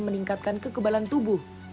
meningkatkan kekebalan tubuh